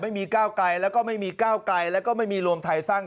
ไม่มีก้าวไกลแล้วก็ไม่มีก้าวไกลแล้วก็ไม่มีรวมไทยสร้าง